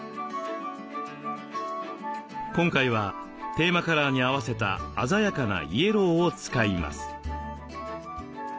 今回はテーマカラーに合わせた鮮やかなイエローを使います。